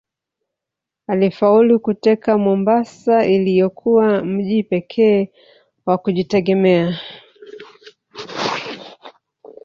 Alifaulu kuteka Mombasa iliyokuwa mji pekee wa kujitegemea